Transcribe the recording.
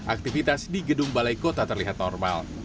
aktivitas di gedung balai kota terlihat normal